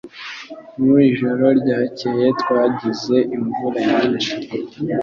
Mu ijoro ryakeye twagize imvura nyinshi.